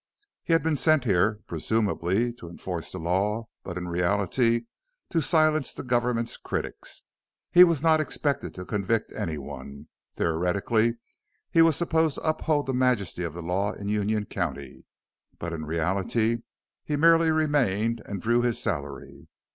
He had been sent here, presumably to enforce the law, but in reality to silence the government's critics. He was not expected to convict anyone. Theoretically he was supposed to uphold the majesty of the law in Union County, but in reality he merely remained and drew his salary.